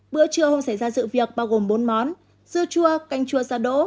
bữa trưa không xảy ra dự việc bao gồm bốn món dưa chua canh chua ra đỗ